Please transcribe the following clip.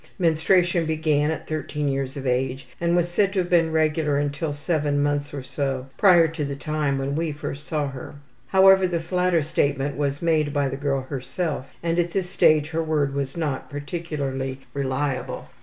Menstruation began at 13 years of age and was said to have been regular until seven months or so prior to the time when we first saw her. However, this latter statement was made by the girl herself and at this stage her word was not particularly reliable.